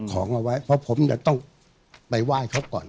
ของเอาไว้เพราะผมจะต้องไปไหว้เขาก่อน